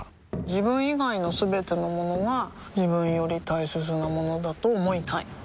自分以外のすべてのものが自分より大切なものだと思いたい